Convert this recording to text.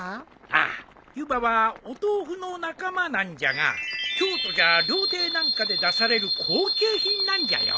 ああ湯葉はお豆腐の仲間なんじゃが京都じゃ料亭なんかで出される高級品なんじゃよ。